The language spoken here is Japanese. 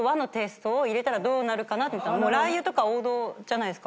ラー油とか王道じゃないですか。